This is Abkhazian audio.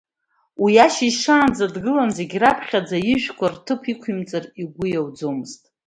Уи, ашьыжь шаанӡа дгыланы, зегь раԥхьаӡа ижәқәа рҭыԥ иқәимҵар игәы иауӡомызт.